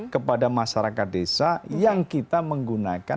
kepada masyarakat desa yang kita menggunakan